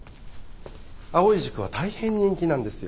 藍井塾は大変人気なんですよ。